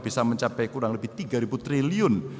bisa mencapai kurang lebih tiga triliun